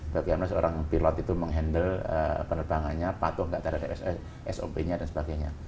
bagaimana seorang pilot itu menghandle penerbangannya patuh nggak terhadap sop nya dan sebagainya